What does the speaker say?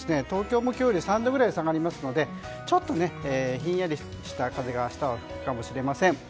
東京も今日より３度くらい下がりますのでちょっと、ひんやりした風が明日は吹くかもしれません。